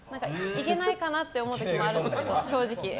いけないかなと思う時もあるんですけど。